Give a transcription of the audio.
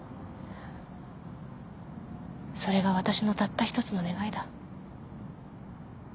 それが私のたった一つの願いだ。